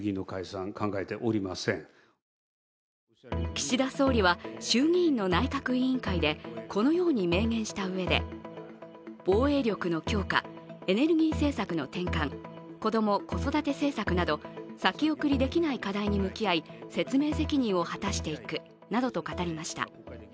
岸田総理は、衆議院の内閣委員会でこのように明言したうえで防衛力の強化、エネルギー政策の転換子ども・子育て政策など先送りできない課題に向き合い説明責任を果たしていくなどと語りました。